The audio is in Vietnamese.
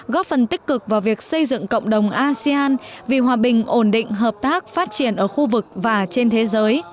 góp phần tích cực vào việc xây dựng cộng đồng asean vì hòa bình ổn định hợp tác phát triển ở khu vực và trên thế giới